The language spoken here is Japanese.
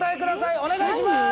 お願いします！